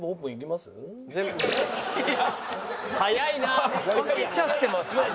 巻いちゃってます。